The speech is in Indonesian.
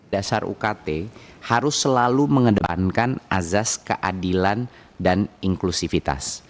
dasar ukt harus selalu mengedepankan azas keadilan dan inklusivitas